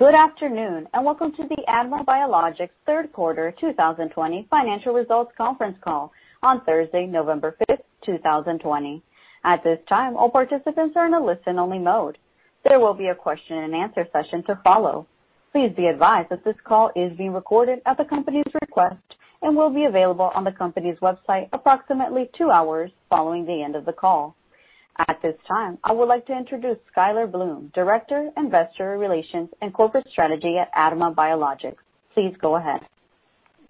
Good afternoon, and welcome to the ADMA Biologics Third Quarter 2020 Financial Results Conference Call on Thursday, November fifth, 2020. At this time, all participants are in a listen-only mode. There will be a question and answer session to follow. Please be advised that this call is being recorded at the company's request and will be available on the company's website approximately two hours following the end of the call. At this time, I would like to introduce Skyler Bloom, Director, Investor Relations and Corporate Strategy at ADMA Biologics. Please go ahead.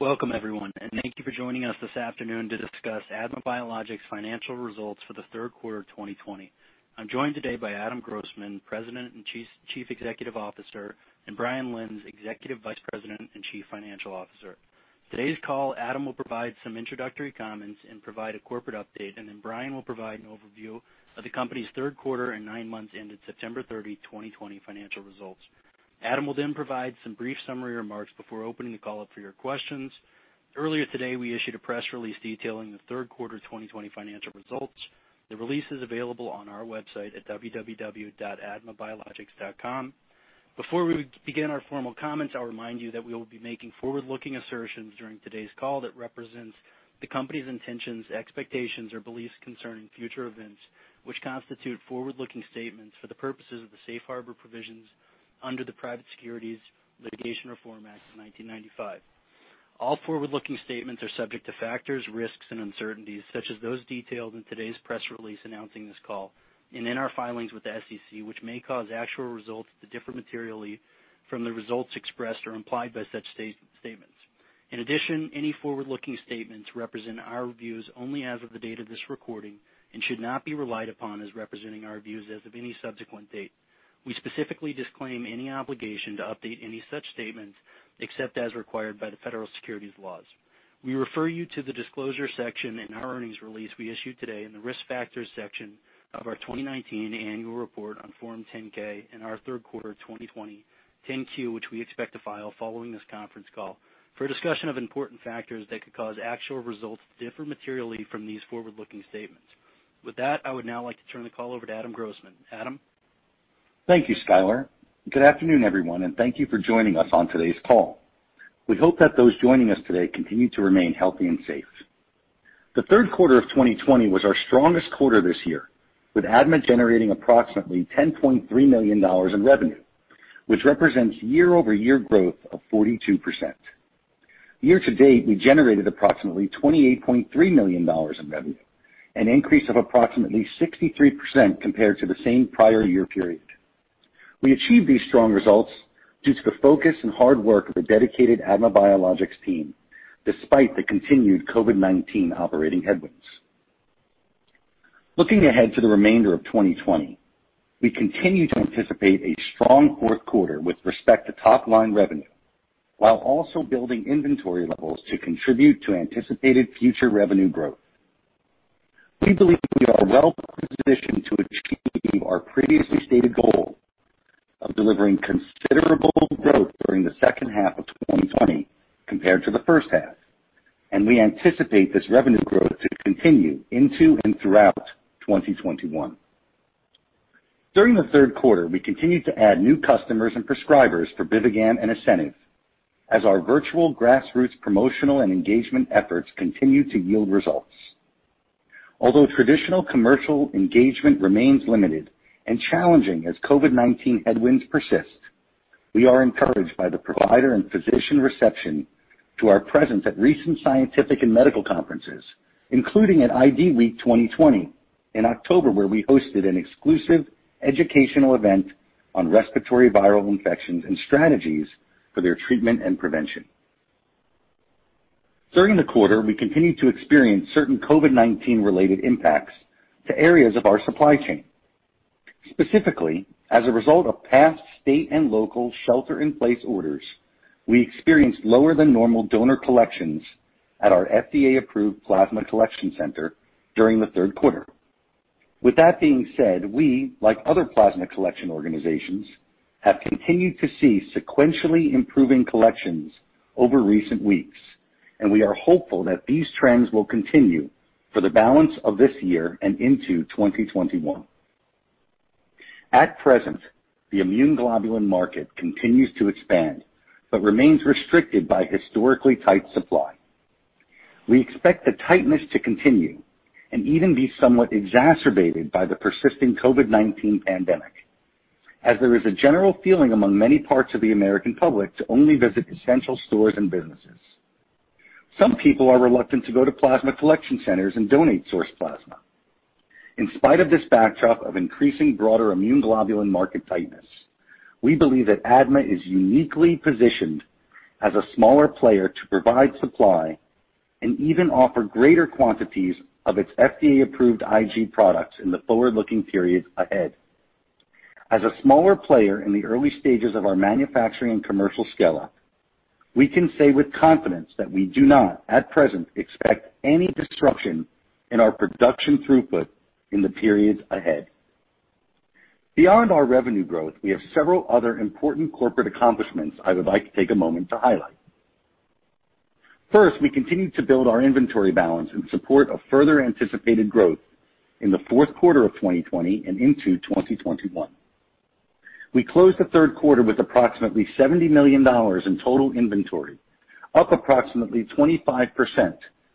Welcome, everyone, and thank you for joining us this afternoon to discuss ADMA Biologics financial results for the third quarter of 2020. I am joined today by Adam Grossman, President and Chief Executive Officer, and Brian Lenz, Executive Vice President and Chief Financial Officer. Today's call, Adam will provide some introductory comments and provide a corporate update, and Brian will provide an overview of the company's third quarter and nine months ended September 30, 2020, financial results. Adam will provide some brief summary remarks before opening the call up for your questions. Earlier today, we issued a press release detailing the third quarter 2020 financial results. The release is available on our website at www.admabiologics.com. Before we begin our formal comments, I'll remind you that we will be making forward-looking assertions during today's call that represents the company's intentions, expectations, or beliefs concerning future events, which constitute forward-looking statements for the purposes of the safe harbor provisions under the Private Securities Litigation Reform Act of 1995. All forward-looking statements are subject to factors, risks, and uncertainties, such as those detailed in today's press release announcing this call and in our filings with the SEC, which may cause actual results to differ materially from the results expressed or implied by such statements. In addition, any forward-looking statements represent our views only as of the date of this recording and should not be relied upon as representing our views as of any subsequent date. We specifically disclaim any obligation to update any such statements except as required by the federal securities laws. We refer you to the disclosure section in our earnings release we issued today and the Risk Factors section of our 2019 Annual Report on Form 10-K and our third quarter 2020 10-Q, which we expect to file following this conference call, for a discussion of important factors that could cause actual results to differ materially from these forward-looking statements. With that, I would now like to turn the call over to Adam Grossman. Adam? Thank you, Skyler. Good afternoon, everyone. Thank you for joining us on today's call. We hope that those joining us today continue to remain healthy and safe. The third quarter of 2020 was our strongest quarter this year, with ADMA generating approximately $10.3 million in revenue, which represents year-over-year growth of 42%. Year-to-date, we generated approximately $28.3 million in revenue, an increase of approximately 63% compared to the same prior year period. We achieved these strong results due to the focus and hard work of the dedicated ADMA Biologics team, despite the continued COVID-19 operating headwinds. Looking ahead to the remainder of 2020, we continue to anticipate a strong fourth quarter with respect to top-line revenue, while also building inventory levels to contribute to anticipated future revenue growth. We believe we are well positioned to achieve our previously stated goal of delivering considerable growth during the second half of 2020 compared to the first half, and we anticipate this revenue growth to continue into and throughout 2021. During the third quarter, we continued to add new customers and prescribers for BIVIGAM and ASCENIV, as our virtual grassroots promotional and engagement efforts continue to yield results. Although traditional commercial engagement remains limited and challenging as COVID-19 headwinds persist, we are encouraged by the provider and physician reception to our presence at recent scientific and medical conferences, including at IDWeek 2020 in October, where we hosted an exclusive educational event on respiratory viral infections and strategies for their treatment and prevention. During the quarter, we continued to experience certain COVID-19 related impacts to areas of our supply chain. Specifically, as a result of past state and local shelter-in-place orders, we experienced lower than normal donor collections at our FDA-approved plasma collection center during the third quarter. With that being said, we, like other plasma collection organizations, have continued to see sequentially improving collections over recent weeks, and we are hopeful that these trends will continue for the balance of this year and into 2021. At present, the immune globulin market continues to expand but remains restricted by historically tight supply. We expect the tightness to continue and even be somewhat exacerbated by the persisting COVID-19 pandemic, as there is a general feeling among many parts of the American public to only visit essential stores and businesses. Some people are reluctant to go to plasma collection centers and donate source plasma. In spite of this backdrop of increasing broader immune globulin market tightness, we believe that ADMA is uniquely positioned as a smaller player to provide supply and even offer greater quantities of its FDA-approved IG products in the forward-looking period ahead. As a smaller player in the early stages of our manufacturing and commercial scale-up, we can say with confidence that we do not, at present, expect any disruption in our production throughput in the periods ahead. Beyond our revenue growth, we have several other important corporate accomplishments I would like to take a moment to highlight. First, we continued to build our inventory balance in support of further anticipated growth in the fourth quarter of 2020 and into 2021. We closed the third quarter with approximately $70 million in total inventory, up approximately 25%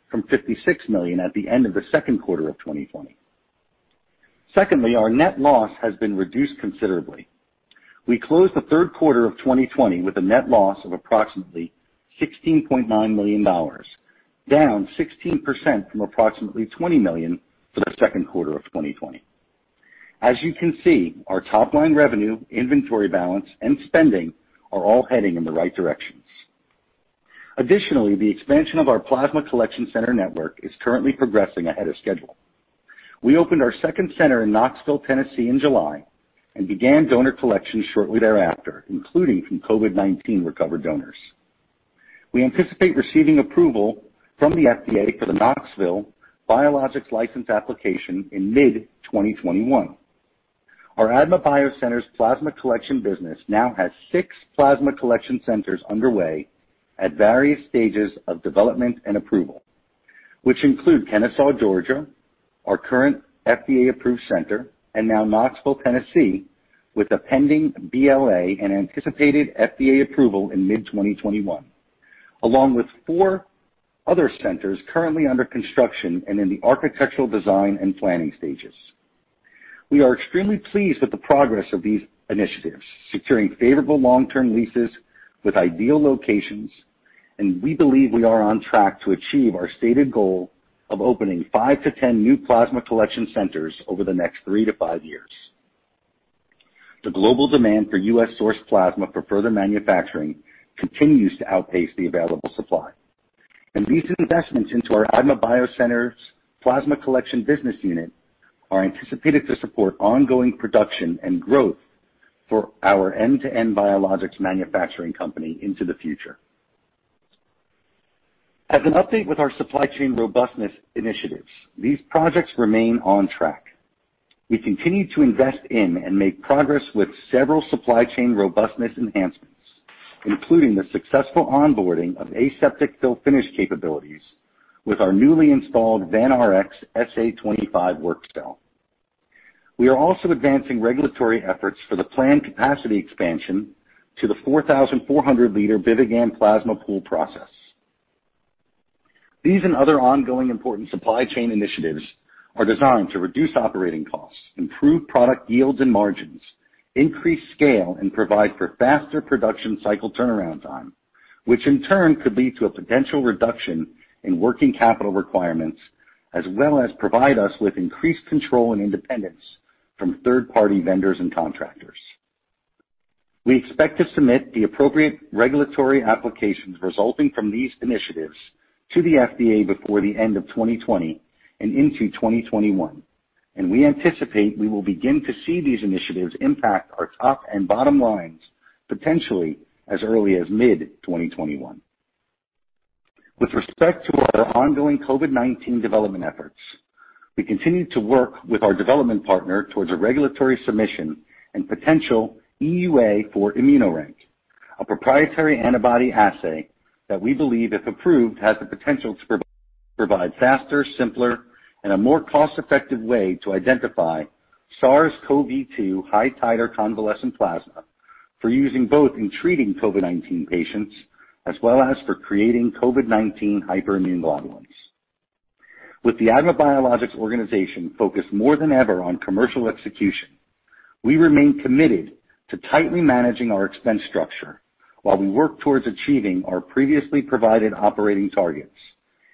from $56 million at the end of the second quarter of 2020. Secondly, our net loss has been reduced considerably. We closed the third quarter of 2020 with a net loss of approximately $16.9 million, down 16% from approximately $20 million for the second quarter of 2020. As you can see, our top-line revenue, inventory balance, and spending are all heading in the right directions. Additionally, the expansion of our plasma collection center network is currently progressing ahead of schedule. We opened our second center in Knoxville, Tennessee, in July and began donor collection shortly thereafter, including from COVID-19 recovered donors. We anticipate receiving approval from the FDA for the Knoxville Biologics license application in mid-2021. Our ADMA BioCenters plasma collection business now has six plasma collection centers underway at various stages of development and approval, which include Kennesaw, Georgia, our current FDA-approved center, and now Knoxville, Tennessee, with a pending BLA and anticipated FDA approval in mid-2021, along with four other centers currently under construction and in the architectural design and planning stages. We are extremely pleased with the progress of these initiatives, securing favorable long-term leases with ideal locations, and we believe we are on track to achieve our stated goal of opening 5-10 new plasma collection centers over the next three to five years. The global demand for U.S.-sourced plasma for further manufacturing continues to outpace the available supply. These investments into our ADMA BioCenters plasma collection business unit are anticipated to support ongoing production and growth for our end-to-end biologics manufacturing company into the future. As an update with our supply chain robustness initiatives, these projects remain on track. We continue to invest in and make progress with several supply chain robustness enhancements, including the successful onboarding of aseptic fill-finish capabilities with our newly installed Vanrx SA25 work cell. We are also advancing regulatory efforts for the planned capacity expansion to the 4,400 L BIVIGAM plasma pool process. These and other ongoing important supply chain initiatives are designed to reduce operating costs, improve product yields and margins, increase scale, and provide for faster production cycle turnaround time, which in turn could lead to a potential reduction in working capital requirements, as well as provide us with increased control and independence from third-party vendors and contractors. We expect to submit the appropriate regulatory applications resulting from these initiatives to the FDA before the end of 2020 and into 2021. We anticipate we will begin to see these initiatives impact our top and bottom lines potentially as early as mid-2021. With respect to our ongoing COVID-19 development efforts, we continue to work with our development partner towards a regulatory submission and potential EUA for ImmunoRank, a proprietary antibody assay that we believe, if approved, has the potential to provide faster, simpler, and a more cost-effective way to identify SARS-CoV-2 high titer convalescent plasma for using both in treating COVID-19 patients, as well as for creating COVID-19 hyperimmune globulins. With the ADMA Biologics organization focused more than ever on commercial execution, we remain committed to tightly managing our expense structure while we work towards achieving our previously provided operating targets,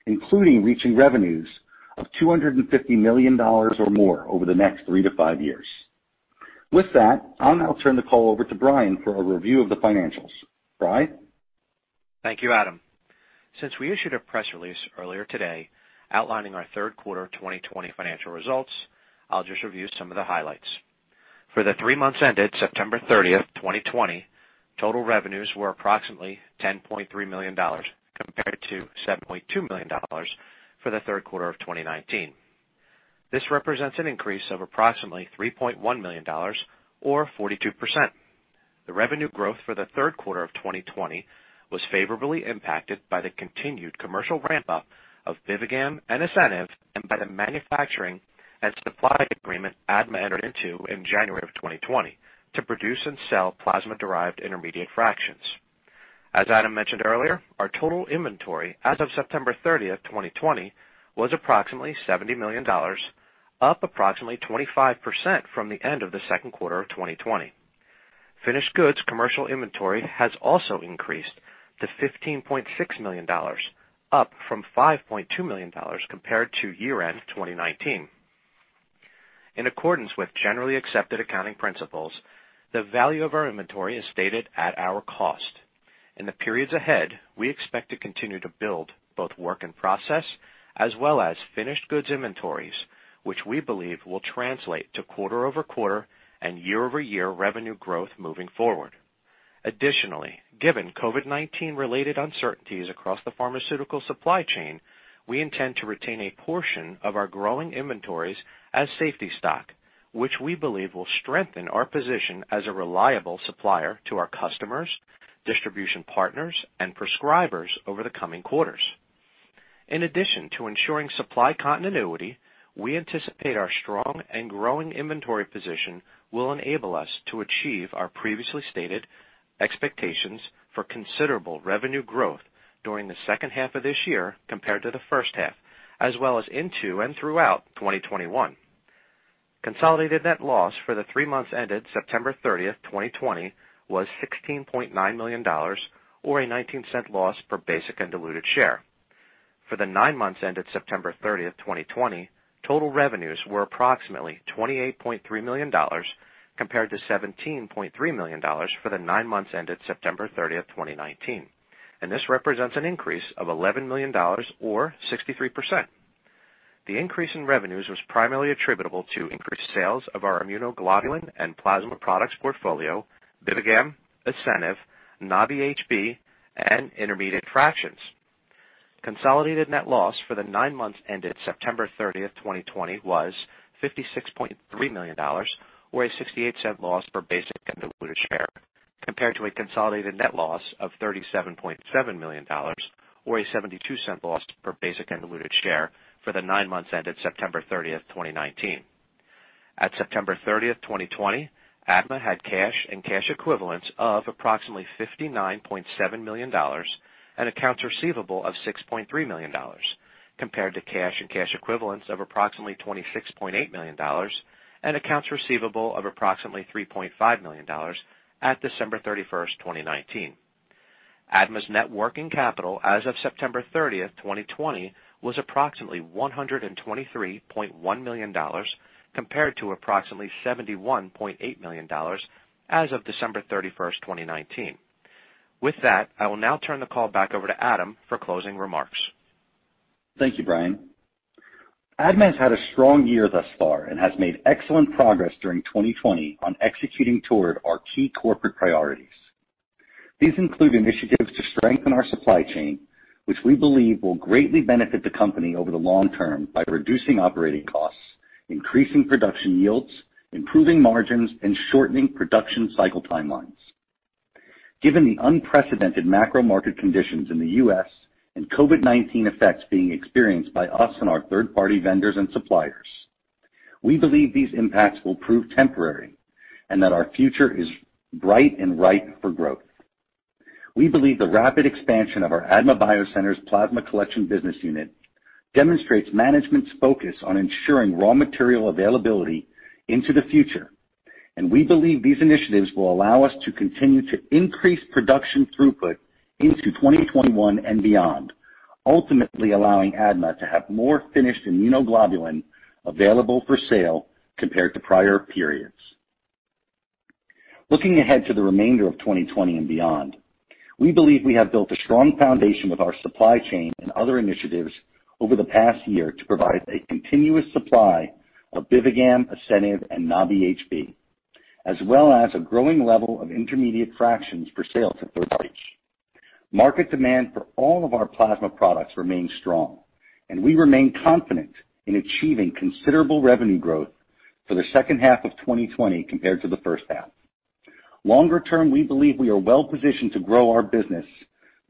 including reaching revenues of $250 million or more over the next three to five years. With that, I'll now turn the call over to Brian for a review of the financials. Brian? Thank you, Adam. Since we issued a press release earlier today outlining our third quarter 2020 financial results, I'll just review some of the highlights. For the three months ended September 30th, 2020, total revenues were approximately $10.3 million compared to $7.2 million for the third quarter of 2019. This represents an increase of approximately $3.1 million or 42%. The revenue growth for the third quarter of 2020 was favorably impacted by the continued commercial ramp-up of BIVIGAM and ASCENIV and by the manufacturing and supply agreement ADMA entered into in January 2020 to produce and sell plasma-derived intermediate fractions. As Adam mentioned earlier, our total inventory as of September 30th, 2020, was approximately $70 million, up approximately 25% from the end of the second quarter of 2020. Finished goods commercial inventory has also increased to $15.6 million, up from $5.2 million compared to year-end 2019. In accordance with generally accepted accounting principles, the value of our inventory is stated at our cost. In the periods ahead, we expect to continue to build both work and process as well as finished goods inventories, which we believe will translate to quarter-over-quarter and year-over-year revenue growth moving forward. Additionally, given COVID-19 related uncertainties across the pharmaceutical supply chain, we intend to retain a portion of our growing inventories as safety stock, which we believe will strengthen our position as a reliable supplier to our customers, distribution partners, and prescribers over the coming quarters. In addition to ensuring supply continuity, we anticipate our strong and growing inventory position will enable us to achieve our previously stated expectations for considerable revenue growth during the second half of this year compared to the first half, as well as into and throughout 2021. Consolidated net loss for the three months ended September 30th, 2020 was $16.9 million, or a $0.19 loss per basic and diluted share. For the nine months ended September 30th, 2020, total revenues were approximately $28.3 million, compared to $17.3 million for the nine months ended September 30th, 2019, and this represents an increase of $11 million, or 63%. The increase in revenues was primarily attributable to increased sales of our immunoglobulin and plasma products portfolio, BIVIGAM, ASCENIV, Nabi-HB, and intermediate fractions. Consolidated net loss for the nine months ended September 30th, 2020 was $56.3 million, or a $0.68 loss per basic and diluted share, compared to a consolidated net loss of $37.7 million, or a $0.72 loss per basic and diluted share for the nine months ended September 30th, 2019. At September 30th, 2020, ADMA had cash and cash equivalents of approximately $59.7 million and accounts receivable of $6.3 million, compared to cash and cash equivalents of approximately $26.8 million and accounts receivable of approximately $3.5 million at December 31st, 2019. ADMA's net working capital as of September 30th, 2020 was approximately $123.1 million, compared to approximately $71.8 million as of December 31st, 2019. With that, I will now turn the call back over to Adam for closing remarks. Thank you, Brian. ADMA's had a strong year thus far and has made excellent progress during 2020 on executing toward our key corporate priorities. These include initiatives to strengthen our supply chain, which we believe will greatly benefit the company over the long term by reducing operating costs, increasing production yields, improving margins, and shortening production cycle timelines. Given the unprecedented macro market conditions in the U.S. and COVID-19 effects being experienced by us and our third-party vendors and suppliers, we believe these impacts will prove temporary and that our future is bright and ripe for growth. We believe the rapid expansion of our ADMA BioCenters plasma collection business unit demonstrates management's focus on ensuring raw material availability into the future, and we believe these initiatives will allow us to continue to increase production throughput into 2021 and beyond, ultimately allowing ADMA to have more finished immunoglobulin available for sale compared to prior periods. Looking ahead to the remainder of 2020 and beyond, we believe we have built a strong foundation with our supply chain and other initiatives over the past year to provide a continuous supply of BIVIGAM, ASCENIV, and NABI-HB, as well as a growing level of intermediate fractions for sale to third parties. Market demand for all of our plasma products remains strong, and we remain confident in achieving considerable revenue growth for the second half of 2020 compared to the first half. Longer term, we believe we are well positioned to grow our business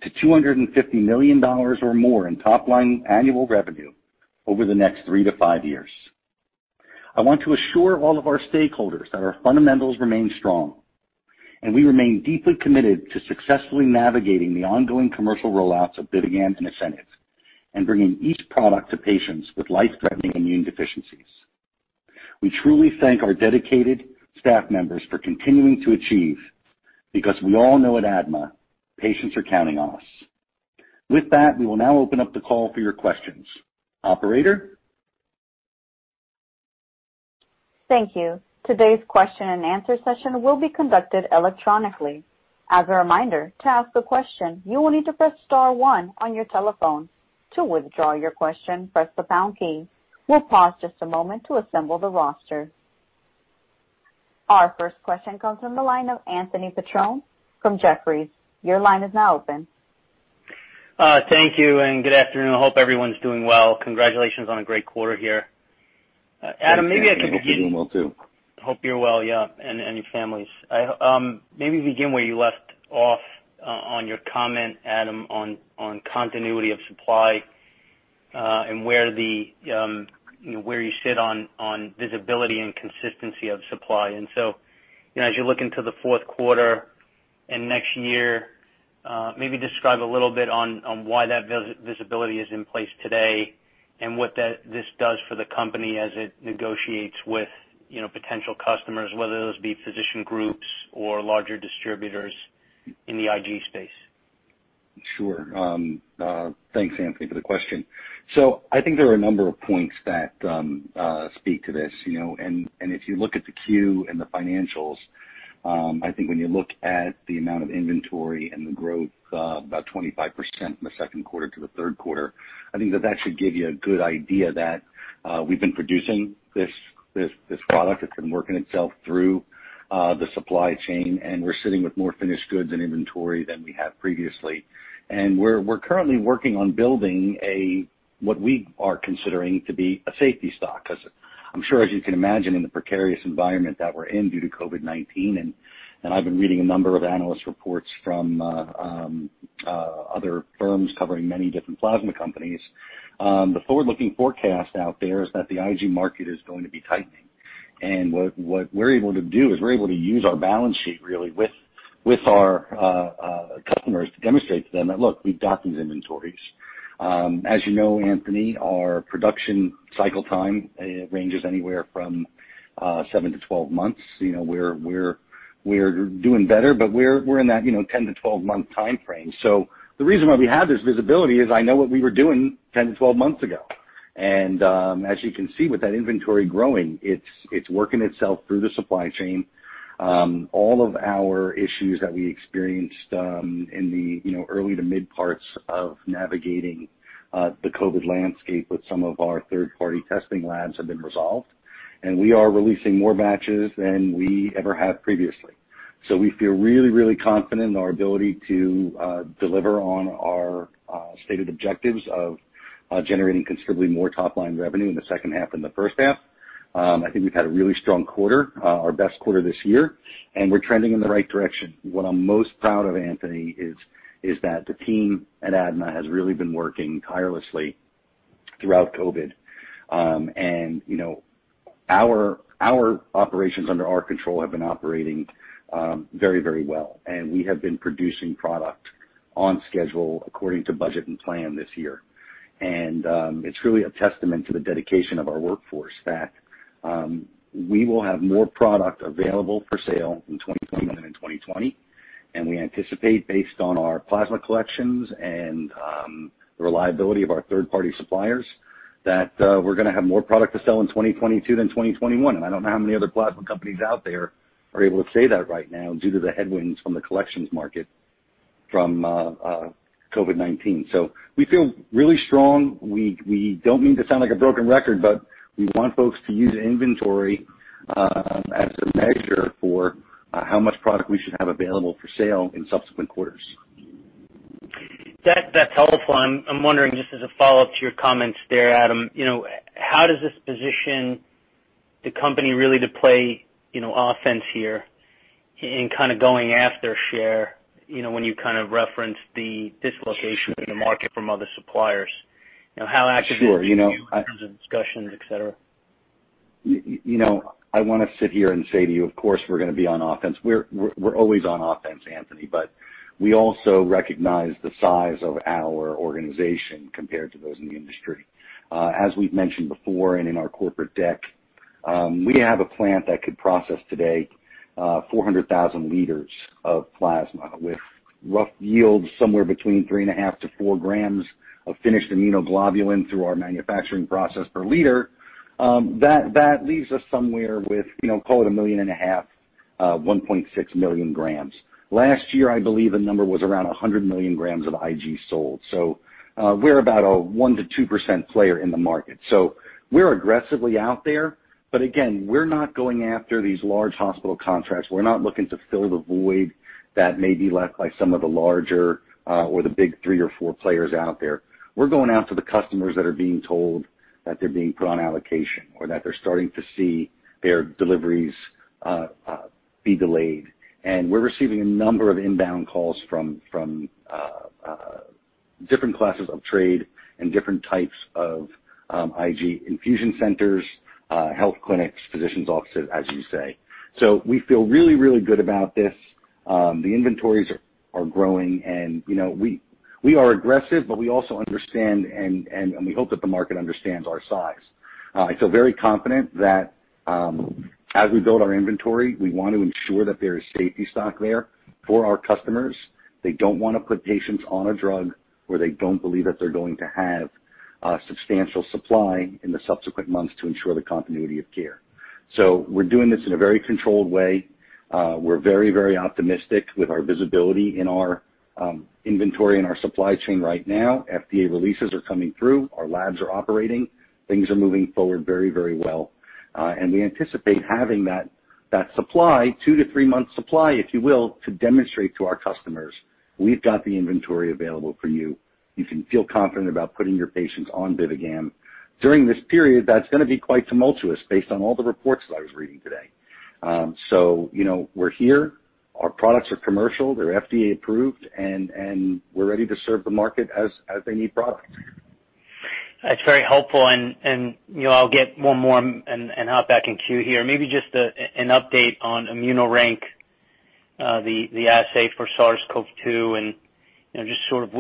to $250 million or more in top-line annual revenue over the next three to five years. I want to assure all of our stakeholders that our fundamentals remain strong, and we remain deeply committed to successfully navigating the ongoing commercial rollouts of BIVIGAM and ASCENIV and bringing each product to patients with life-threatening immune deficiencies. We truly thank our dedicated staff members for continuing to achieve, because we all know at ADMA, patients are counting on us. With that, we will now open up the call for your questions. Operator? Thank you. Today's question and answer session will be conducted electronically. As a reminder, to ask a question, you will need to press star one on your telephone. To withdraw your question, press the pound key. We'll pause just a moment to assemble the roster. Our first question comes from the line of Anthony Petrone from Jefferies. Your line is now open. Thank you. Good afternoon. Hope everyone's doing well. Congratulations on a great quarter here. Adam, maybe I can begin. Thanks, Anthony. Hope you're doing well, too. Hope you're well, yeah, and your families. Maybe begin where you left off on your comment, Adam, on continuity of supply, and where you sit on visibility and consistency of supply. As you look into the fourth quarter and next year, maybe describe a little bit on why that visibility is in place today and what this does for the company as it negotiates with potential customers, whether those be physician groups or larger distributors in the IG space. Sure. Thanks, Anthony, for the question. I think there are a number of points that speak to this. If you look at the Q and the financials, I think when you look at the amount of inventory and the growth, about 25% from the second quarter to the third quarter, I think that that should give you a good idea that we've been producing this product. It's been working itself through the supply chain, and we're sitting with more finished goods and inventory than we have previously. We're currently working on building what we are considering to be a safety stock, because I'm sure, as you can imagine, in the precarious environment that we're in due to COVID-19, and I've been reading a number of analyst reports from other firms covering many different plasma companies, the forward-looking forecast out there is that the IG market is going to be tightening. What we're able to do is we're able to use our balance sheet really with our customers to demonstrate to them that, look, we've got these inventories. As you know, Anthony, our production cycle time ranges anywhere from 7-12 months. We're doing better, but we're in that 10-12 month timeframe. The reason why we have this visibility is I know what we were doing 10-12 months ago. As you can see with that inventory growing, it's working itself through the supply chain. All of our issues that we experienced in the early to mid parts of navigating the COVID landscape with some of our third party testing labs have been resolved, and we are releasing more batches than we ever have previously. We feel really confident in our ability to deliver on our stated objectives of generating considerably more top-line revenue in the second half than the first half. I think we've had a really strong quarter, our best quarter this year, and we're trending in the right direction. What I'm most proud of, Anthony, is that the team at ADMA has really been working tirelessly throughout COVID. Our operations under our control have been operating very well. We have been producing product on schedule according to budget and plan this year. It's really a testament to the dedication of our workforce that we will have more product available for sale in 2021 than in 2020. We anticipate based on our plasma collections and the reliability of our third-party suppliers that we're going to have more product to sell in 2022 than 2021. I don't know how many other plasma companies out there are able to say that right now due to the headwinds from the collections market from COVID-19. We feel really strong. We don't mean to sound like a broken record, but we want folks to use the inventory as a measure for how much product we should have available for sale in subsequent quarters. That's helpful. I'm wondering just as a follow-up to your comments there, Adam, how does this position the company really to play offense here in going after share, when you referenced the dislocation in the market from other suppliers. How active are you? Sure, you know. In terms of discussions, et cetera? I want to sit here and say to you, of course, we're going to be on offense. We're always on offense, Anthony. We also recognize the size of our organization compared to those in the industry. As we've mentioned before and in our corporate deck, we have a plant that could process today 400,000 L of plasma with rough yields somewhere between three and a half to four grams of finished immunoglobulin through our manufacturing process per liter. That leaves us somewhere with call it a million and a half, 1.6 million grams. Last year, I believe the number was around 100 million grams of IG sold. We're about a 1%-2% player in the market. We're aggressively out there. Again, we're not going after these large hospital contracts. We're not looking to fill the void that may be left by some of the larger, or the big three or four players out there. We're going after the customers that are being told that they're being put on allocation or that they're starting to see their deliveries be delayed. We're receiving a number of inbound calls from different classes of trade and different types of IG infusion centers, health clinics, physicians offices, as you say. We feel really good about this. The inventories are growing and we are aggressive, but we also understand and we hope that the market understands our size. I feel very confident that as we build our inventory, we want to ensure that there is safety stock there for our customers. They don't want to put patients on a drug where they don't believe that they're going to have substantial supply in the subsequent months to ensure the continuity of care. We're doing this in a very controlled way. We're very optimistic with our visibility in our inventory and our supply chain right now. FDA releases are coming through. Our labs are operating. Things are moving forward very well. We anticipate having that supply, two to three months supply, if you will, to demonstrate to our customers we've got the inventory available for you. You can feel confident about putting your patients on BIVIGAM during this period that's going to be quite tumultuous based on all the reports that I was reading today. We're here. Our products are commercial. They're FDA approved, and we're ready to serve the market as they need product. That's very helpful and I'll get one more and hop back in queue here. Maybe just an update on ImmunoRank, the assay for SARS-CoV-2 and just sort of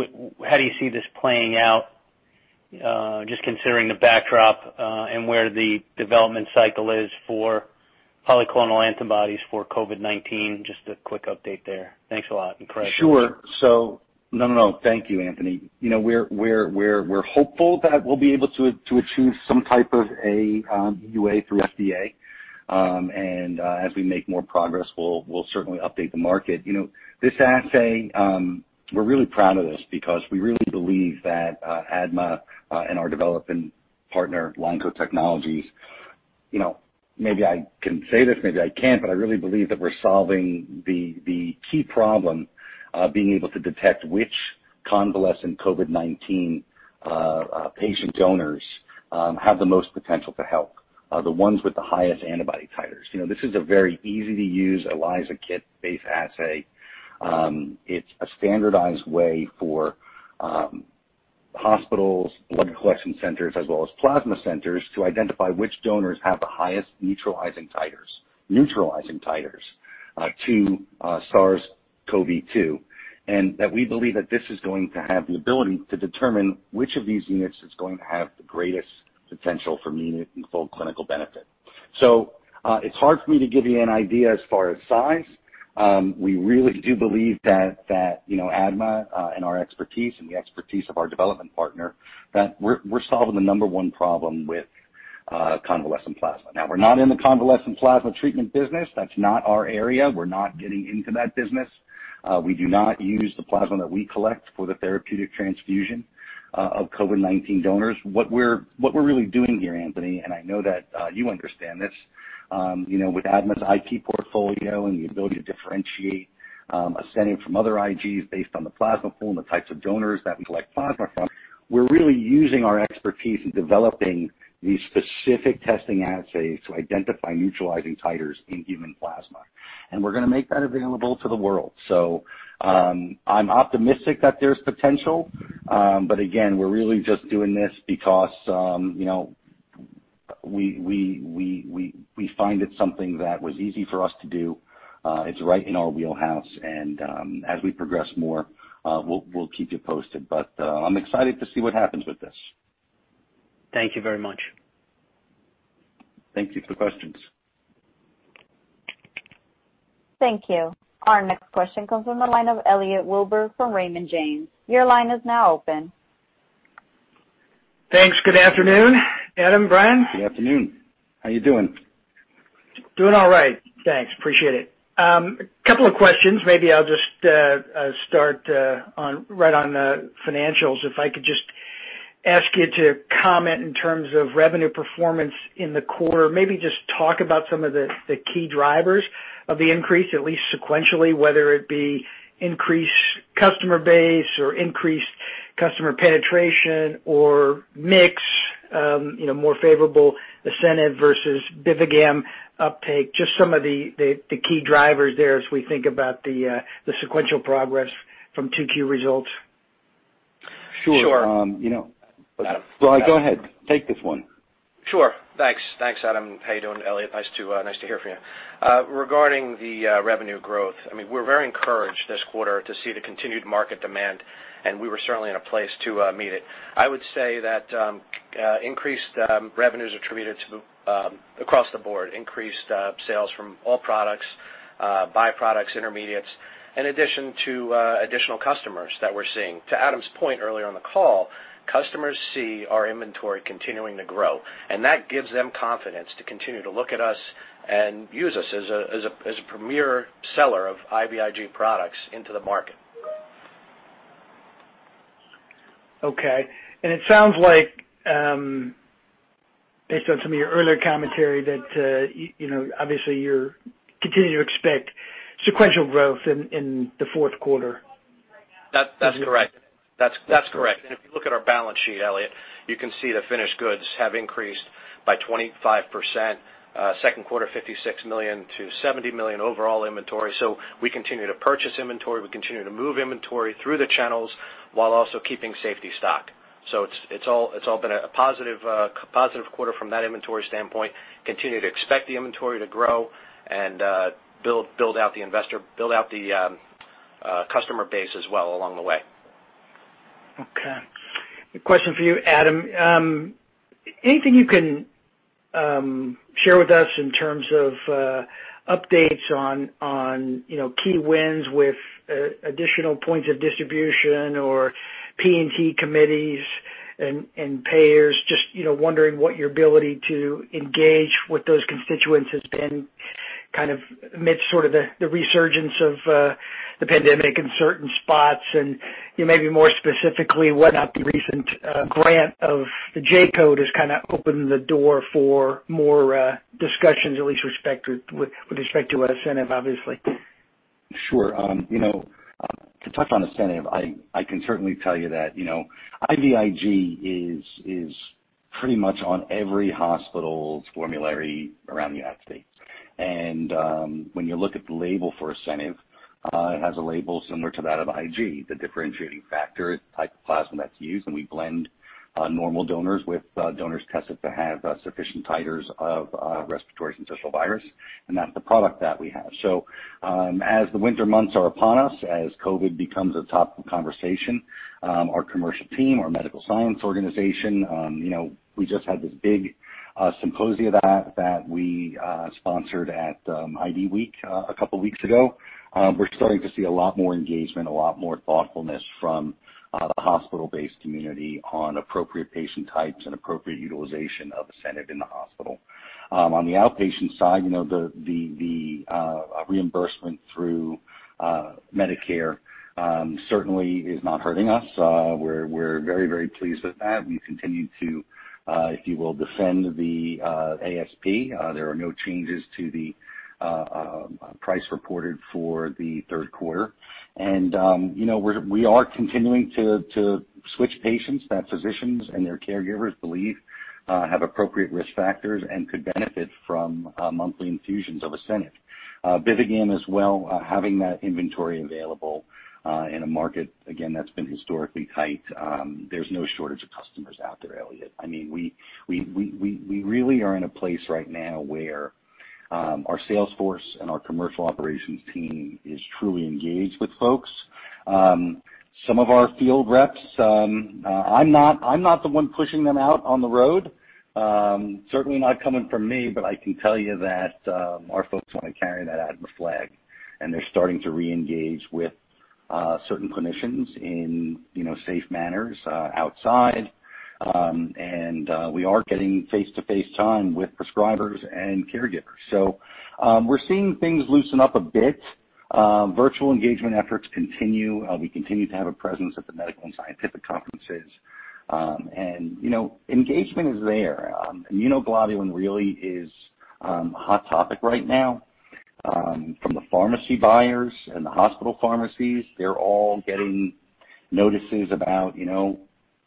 how do you see this playing out, just considering the backdrop, and where the development cycle is for polyclonal antibodies for COVID-19? Just a quick update there. Thanks a lot. Sure. No, thank you, Anthony. We're hopeful that we'll be able to achieve some type of a EUA through FDA. As we make more progress, we'll certainly update the market. This assay, we're really proud of this because we really believe that ADMA, and our development partner, Leinco Technologies, maybe I can say this, maybe I can't, but I really believe that we're solving the key problem of being able to detect which convalescent COVID-19 patient donors have the most potential to help, the ones with the highest antibody titers. This is a very easy-to-use ELISA kit-based assay. It's a standardized way for Hospitals, blood collection centers, as well as plasma centers to identify which donors have the highest neutralizing titers to SARS-CoV-2, and that we believe that this is going to have the ability to determine which of these units is going to have the greatest potential for meaningful clinical benefit. It's hard for me to give you an idea as far as size. We really do believe that ADMA and our expertise and the expertise of our development partner, that we're solving the number one problem with convalescent plasma. We're not in the convalescent plasma treatment business. That's not our area. We're not getting into that business. We do not use the plasma that we collect for the therapeutic transfusion of COVID-19 donors. What we're really doing here, Anthony, and I know that you understand this with ADMA's IP portfolio and the ability to differentiate ASCENIV from other IGs based on the plasma pool and the types of donors that we collect plasma from, we're really using our expertise in developing these specific testing assays to identify neutralizing titers in human plasma. We're going to make that available to the world. I'm optimistic that there's potential. Again, we're really just doing this because we find it something that was easy for us to do. It's right in our wheelhouse, and as we progress more, we'll keep you posted. I'm excited to see what happens with this. Thank you very much. Thank you for the questions. Thank you. Our next question comes from the line of Elliot Wilbur from Raymond James. Your line is now open. Thanks. Good afternoon, Adam, Brian. Good afternoon. How are you doing? Doing all right. Thanks, appreciate it. A couple of questions. Maybe I'll just start right on financials. If I could just ask you to comment in terms of revenue performance in the quarter. Maybe just talk about some of the key drivers of the increase, at least sequentially, whether it be increased customer base or increased customer penetration or mix, more favorable ASCENIV versus BIVIGAM uptake, just some of the key drivers there as we think about the sequential progress from 2Q results. Sure. Brian, go ahead. Take this one. Sure. Thanks, Adam. How you doing, Elliot? Nice to hear from you. Regarding the revenue growth, we're very encouraged this quarter to see the continued market demand, and we were certainly in a place to meet it. I would say that increased revenues attributed to across the board increased sales from all products, byproducts, intermediates, in addition to additional customers that we're seeing. To Adam's point earlier on the call, customers see our inventory continuing to grow, and that gives them confidence to continue to look at us and use us as a premier seller of IVIG products into the market. Okay. It sounds like based on some of your earlier commentary that obviously you continue to expect sequential growth in the fourth quarter. That's correct. If you look at our balance sheet, Elliot, you can see the finished goods have increased by 25%, second quarter, $56 million-$70 million overall inventory. We continue to purchase inventory, we continue to move inventory through the channels while also keeping safety stock. It's all been a positive quarter from that inventory standpoint. Continue to expect the inventory to grow and build out the customer base as well along the way. A question for you, Adam. Anything you can share with us in terms of updates on key wins with additional points of distribution or P&T committees and payers, just wondering what your ability to engage with those constituents has been kind of amidst sort of the resurgence of the pandemic in certain spots and, maybe more specifically, whether or not the recent grant of the J-code has kind of opened the door for more discussions, at least with respect to ASCENIV, obviously. Sure. To touch on ASCENIV, I can certainly tell you that IVIG is pretty much on every hospital's formulary around the United States. When you look at the label for ASCENIV, it has a label similar to that of IG. The differentiating factor is the type of plasma that's used, we blend normal donors with donors tested to have sufficient titers of respiratory syncytial virus, and that's the product that we have. As the winter months are upon us, as COVID becomes a topic of conversation, our commercial team, our medical science organization, we just had this big symposia that we sponsored at IDWeek a couple of weeks ago. We're starting to see a lot more engagement, a lot more thoughtfulness from the hospital-based community on appropriate patient types and appropriate utilization of ASCENIV in the hospital. On the outpatient side, the reimbursement through Medicare certainly is not hurting us. We're very pleased with that. We continue to, if you will, defend the ASP. There are no changes to the price reported for the third quarter. We are continuing to switch patients that physicians and their caregivers believe have appropriate risk factors and could benefit from monthly infusions of ASCENIV, BIVIGAM as well, having that inventory available in a market, again, that's been historically tight. There's no shortage of customers out there, Elliot. We really are in a place right now where our sales force and our commercial operations team is truly engaged with folks. Some of our field reps, I'm not the one pushing them out on the road. Certainly not coming from me, but I can tell you that our folks want to carry that ADMA flag. They're starting to reengage with certain clinicians in safe manners outside. We are getting face-to-face time with prescribers and caregivers. We're seeing things loosen up a bit. Virtual engagement efforts continue. We continue to have a presence at the medical and scientific conferences. Engagement is there. Immunoglobulin really is a hot topic right now from the pharmacy buyers and the hospital pharmacies. They're all getting notices about,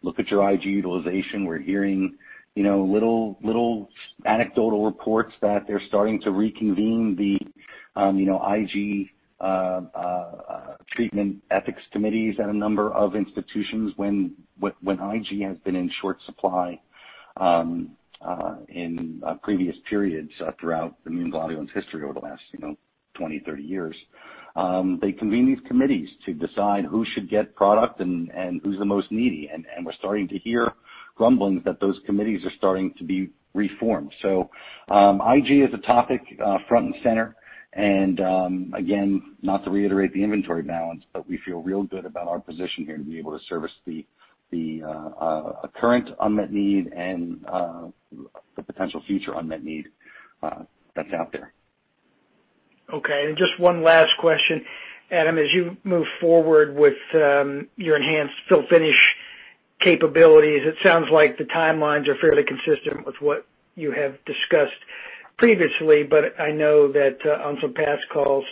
"Look at your IG utilization." We're hearing little anecdotal reports that they're starting to reconvene the IG treatment ethics committees at a number of institutions. When IG has been in short supply in previous periods throughout immunoglobulin's history over the last 20, 30 years, they convened committees to decide who should get product and who's the most needy. We're starting to hear grumblings that those committees are starting to be reformed. IG is a topic front and center. Again, not to reiterate the inventory balance, but we feel real good about our position here to be able to service a current unmet need and the potential future unmet need that's out there. Okay, just one last question. Adam, as you move forward with your enhanced fill-finish capabilities, it sounds like the timelines are fairly consistent with what you have discussed previously. I know that on some past calls,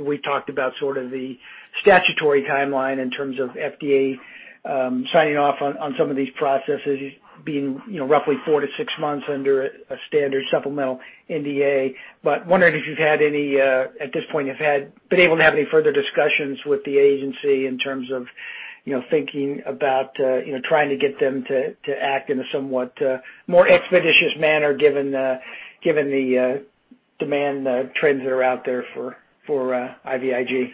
we talked about sort of the statutory timeline in terms of FDA signing off on some of these processes being roughly four to six months under a standard supplemental NDA. I am wondering if you've had any, at this point, been able to have any further discussions with the agency in terms of thinking about trying to get them to act in a somewhat more expeditious manner given the demand trends that are out there for IVIG.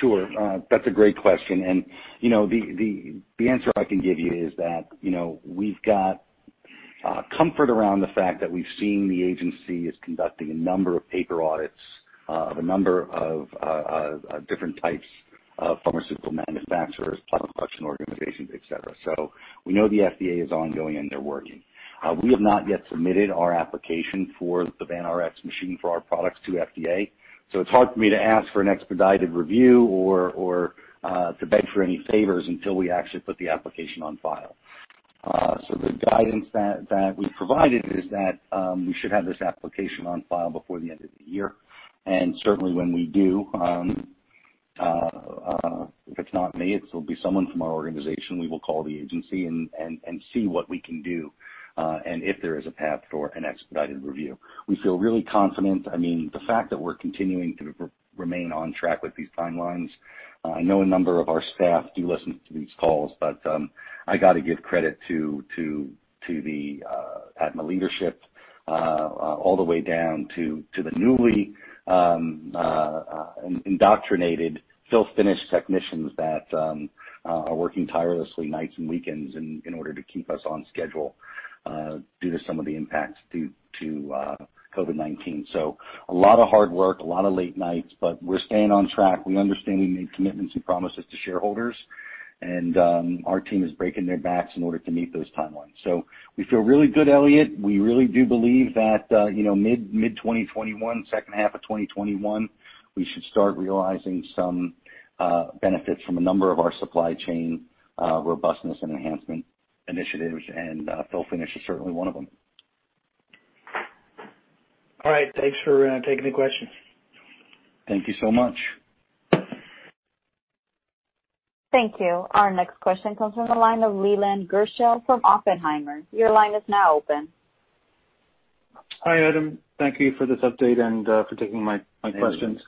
Sure. That's a great question. The answer I can give you is that we've got comfort around the fact that we've seen the agency is conducting a number of paper audits of a number of different types of pharmaceutical manufacturers, plasma collection organizations, et cetera. We know the FDA is ongoing, and they're working. We have not yet submitted our application for the Vanrx machine for our products to FDA. It's hard for me to ask for an expedited review or to beg for any favors until we actually put the application on file. The guidance that we've provided is that we should have this application on file before the end of the year. Certainly when we do, if it's not me, it'll be someone from our organization. We will call the agency and see what we can do, if there is a path for an expedited review. We feel really confident. The fact that we're continuing to remain on track with these timelines. I know a number of our staff do listen to these calls, I got to give credit to the ADMA leadership all the way down to the newly indoctrinated fill-finish technicians that are working tirelessly nights and weekends in order to keep us on schedule due to some of the impacts due to COVID-19. A lot of hard work, a lot of late nights, we're staying on track. We understand we made commitments and promises to shareholders, our team is breaking their backs in order to meet those timelines. We feel really good, Elliot. We really do believe that mid-2021, second half of 2021, we should start realizing some benefits from a number of our supply chain robustness and enhancement initiatives, and fill-finish is certainly one of them. All right. Thanks for taking the questions. Thank you so much. Thank you. Our next question comes from the line of Leland Gershell from Oppenheimer. Your line is now open. Hi, Adam. Thank you for this update and for taking my questions.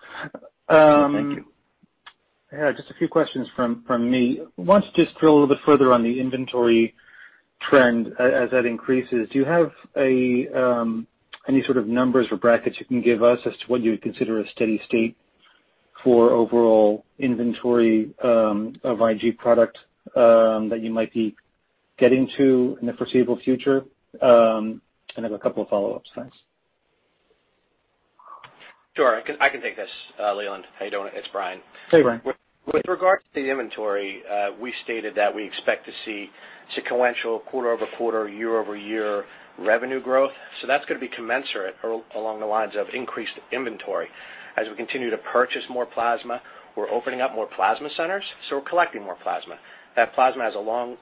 Yeah, just a few questions from me. I want to just drill a little bit further on the inventory trend as that increases. Do you have any sort of numbers or brackets you can give us as to what you would consider a steady state for overall inventory of IG product that you might be getting to in the foreseeable future? I have a couple of follow-ups. Thanks. Sure. I can take this, Leland. How you doing? It's Brian. Hey, Brian. With regard to the inventory, we stated that we expect to see sequential quarter-over-quarter, year-over-year revenue growth. That's going to be commensurate along the lines of increased inventory. As we continue to purchase more plasma, we're opening up more plasma centers, so we're collecting more plasma. That plasma has a long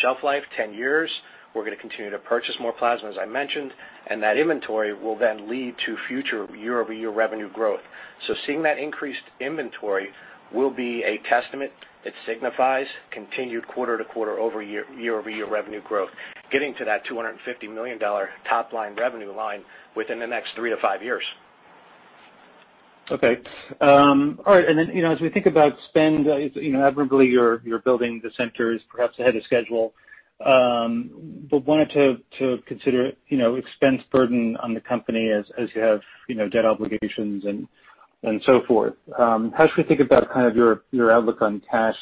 shelf life, 10 years. We're going to continue to purchase more plasma, as I mentioned, and that inventory will then lead to future year-over-year revenue growth. Seeing that increased inventory will be a testament that signifies continued quarter-to-quarter, year-over-year revenue growth, getting to that $250 million top-line revenue line within the next three to five years. Okay. All right. As we think about spend, admirably, you're building the centers perhaps ahead of schedule. Wanted to consider expense burden on the company as you have debt obligations and so forth. How should we think about your outlook on cash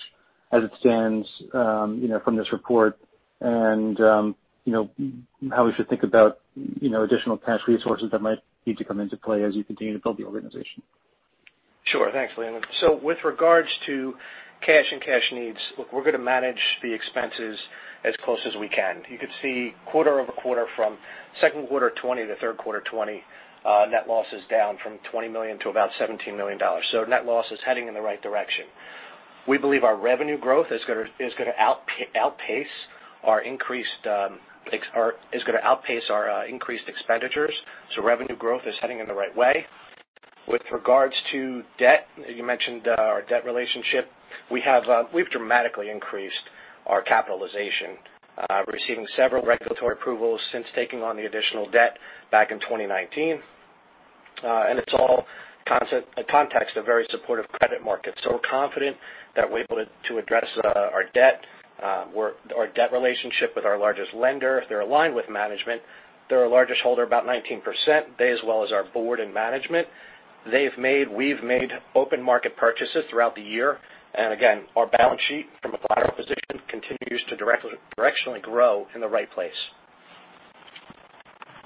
as it stands from this report and how we should think about additional cash resources that might need to come into play as you continue to build the organization? Sure. Thanks, Leland. With regards to cash and cash needs, look, we're going to manage the expenses as close as we can. You could see quarter-over-quarter from second quarter 2020 to third quarter 2020 net loss is down from $20 million to about $17 million. Net loss is heading in the right direction. We believe our revenue growth is going to outpace our increased expenditures, so revenue growth is heading in the right way. With regards to debt, you mentioned our debt relationship. We've dramatically increased our capitalization, receiving several regulatory approvals since taking on the additional debt back in 2019. It's all context, a very supportive credit market. We're confident that we're able to address our debt relationship with our largest lender. They're aligned with management. They're our largest holder, about 19%, they as well as our board and management. We've made open market purchases throughout the year. Again, our balance sheet from a collateral position continues to directionally grow in the right place.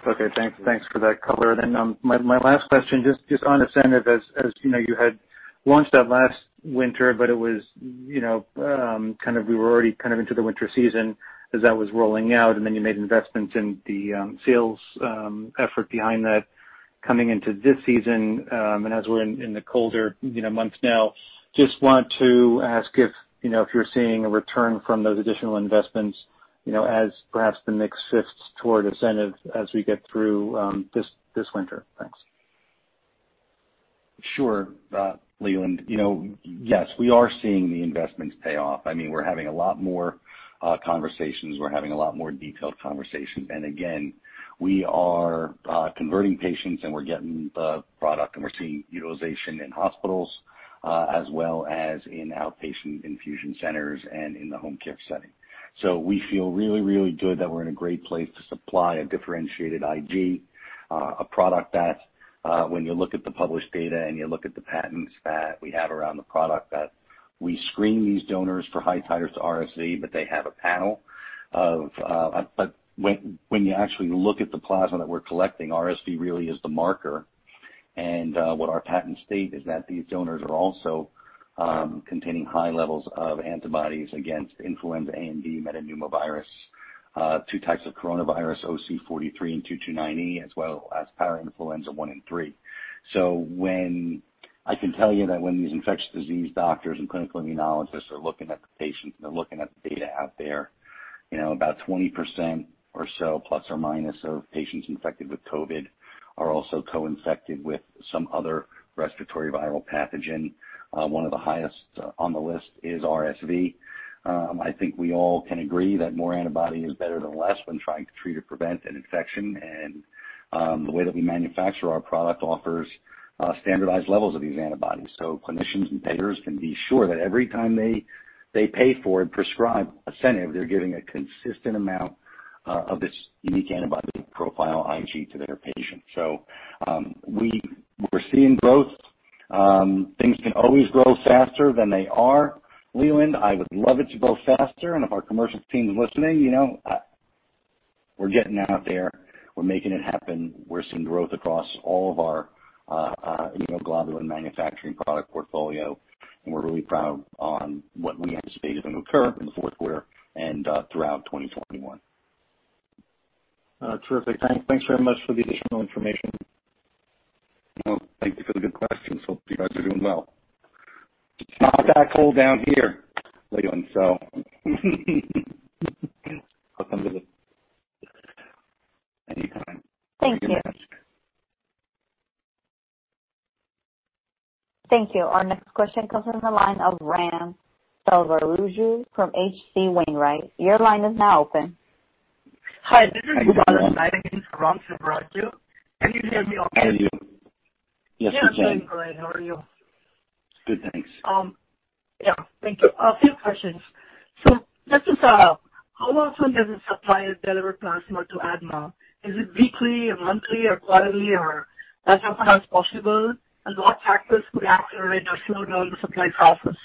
Okay. Thanks for that color. My last question, just on ASCENIV, as you had launched that last winter, but we were already into the winter season as that was rolling out, and then you made investments in the sales effort behind that coming into this season. As we're in the colder months now, just want to ask if you're seeing a return from those additional investments, as perhaps the mix shifts toward ASCENIV as we get through this winter. Thanks. Sure. Leland. Yes, we are seeing the investments pay off. We're having a lot more conversations. We're having a lot more detailed conversations. Again, we are converting patients, and we're getting the product, and we're seeing utilization in hospitals, as well as in outpatient infusion centers and in the home care setting. We feel really, really good that we're in a great place to supply a differentiated IG, a product that when you look at the published data and you look at the patents that we have around the product, that we screen these donors for high titers to RSV, but they have a panel. When you actually look at the plasma that we're collecting, RSV really is the marker. What our patents state is that these donors are also containing high levels of antibodies against influenza A and B, metapneumovirus, two types of coronavirus, OC43 and 229E, as well as parainfluenza one and three. I can tell you that when these infectious disease doctors and clinical immunologists are looking at the patients and they're looking at the data out there, about 20% or so, plus or minus, of patients infected with COVID are also co-infected with some other respiratory viral pathogen. One of the highest on the list is RSV. I think we all can agree that more antibody is better than less when trying to treat or prevent an infection. The way that we manufacture our product offers standardized levels of these antibodies, so clinicians and payers can be sure that every time they pay for and prescribe ASCENIV, they're getting a consistent amount of this unique antibody profile IG to their patient. We're seeing growth. Things can always grow faster than they are, Leland. I would love it to grow faster. If our commercial team's listening, we're getting out there. We're making it happen. We're seeing growth across all of our immunoglobulin manufacturing product portfolio, and we're really proud on what we anticipate is going to occur in the fourth quarter and throughout 2021. Terrific. Thanks very much for the additional information. Well, thank you for the good questions. Hope you guys are doing well. It's not that cold down here, Leland. Welcome to the- anytime. Thank you. Thank you. Our next question comes from the line of Ram Selvaraju from H.C. Wainwright. Your line is now open. Hi, this is Ram Selvaraju. Can you hear me okay? I can hear you. Yes, I can. Yeah, I'm doing great. How are you? Good, thanks. Yeah, thank you. A few questions. Just to follow up, how often does the supplier deliver plasma to ADMA? Is it weekly or monthly or quarterly, or as often as possible? What factors could accelerate or slow down the supply process?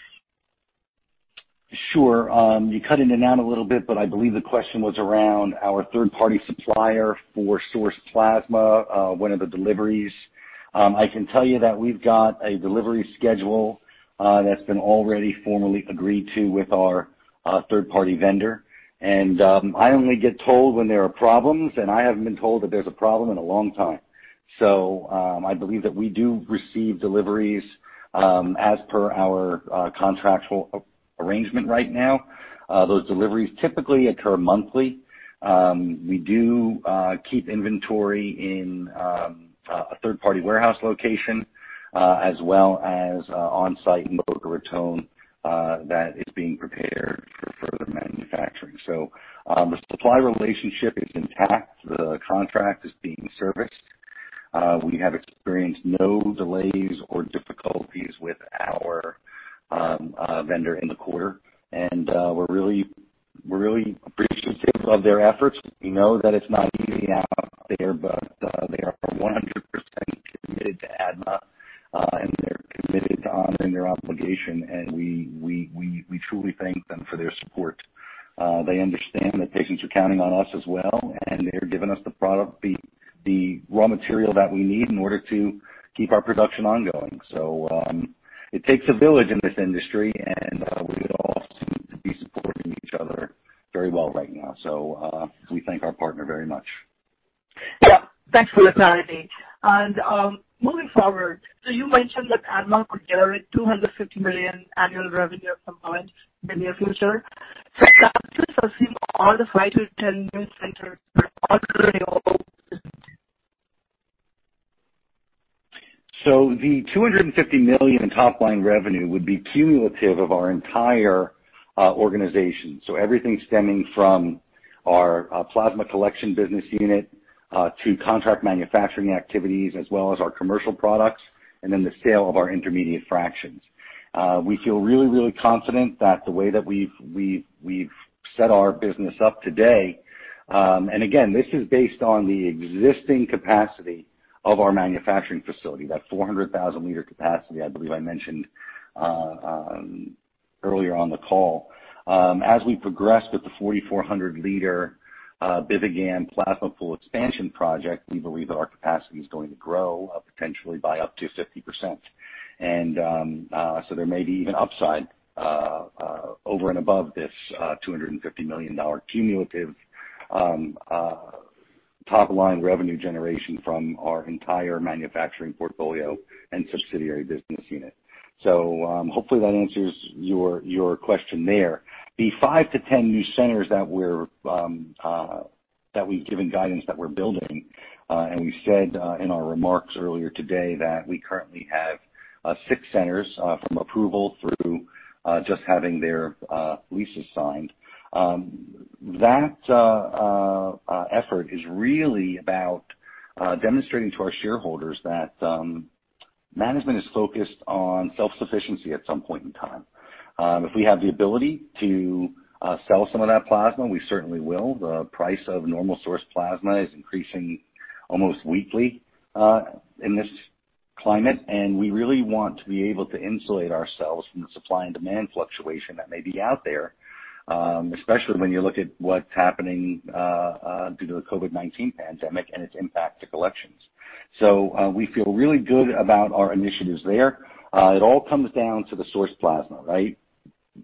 Sure. You cut in and out a little bit, but I believe the question was around our third-party supplier for sourced plasma. When are the deliveries? I can tell you that we've got a delivery schedule that's been already formally agreed to with our third-party vendor. I only get told when there are problems, and I haven't been told that there's a problem in a long time. I believe that we do receive deliveries as per our contractual arrangement right now. Those deliveries typically occur monthly. We do keep inventory in a third-party warehouse location as well as on-site in Boca Raton that is being prepared for further manufacturing. The supply relationship is intact. The contract is being serviced. We have experienced no delays or difficulties with our vendor in the quarter. We're really appreciative of their efforts. We know that it's not easy out there, they are 100% committed to ADMA, and they're committed to honoring their obligation, and we truly thank them for their support. They understand that patients are counting on us as well, and they're giving us the raw material that we need in order to keep our production ongoing. It takes a village in this industry, and we all seem to be supporting each other very well right now. We thank our partner very much. Yeah. Thanks for the clarity. Moving forward, you mentioned that ADMA could generate $250 million annual revenue from plasma in the near future. Can I please assume all the 5-10 new centers are already owned? The $250 million in top line revenue would be cumulative of our entire organization. Everything stemming from our plasma collection business unit to contract manufacturing activities, as well as our commercial products, and then the sale of our intermediate fractions. We feel really, really confident that the way that we've set our business up today and again, this is based on the existing capacity of our manufacturing facility, that 400,000 L capacity I believe I mentioned earlier on the call. As we progress with the 4,400 L BIVIGAM plasma full expansion project, we believe that our capacity is going to grow potentially by up to 50%. There may be even upside over and above this $250 million cumulative top-line revenue generation from our entire manufacturing portfolio and subsidiary business unit. Hopefully that answers your question there. The 5-10 new centers that we've given guidance that we're building, and we said in our remarks earlier today that we currently have six centers from approval through just having their leases signed. That effort is really about demonstrating to our shareholders that management is focused on self-sufficiency at some point in time. If we have the ability to sell some of that plasma, we certainly will. The price of normal source plasma is increasing almost weekly in this climate, and we really want to be able to insulate ourselves from the supply and demand fluctuation that may be out there, especially when you look at what's happening due to the COVID-19 pandemic and its impact to collections. We feel really good about our initiatives there. It all comes down to the source plasma, right?